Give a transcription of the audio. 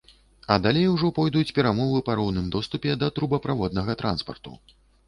А далей ужо пойдуць перамовы па роўным доступе да трубаправоднага транспарту.